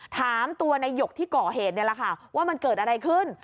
ถามตัวในหยกที่ก่อเหตุนี่แหละค่ะว่ามันเกิดอะไรขึ้น